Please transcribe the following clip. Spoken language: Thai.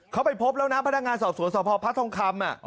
เขาไปพบแล้วนะพนักงานสอบสวนสพพระทองคำ